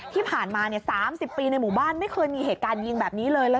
ที่ผ่านมา๓๐ปีในหมู่บ้านไม่เคยมีเหตุการณ์ยิงแบบนี้เลย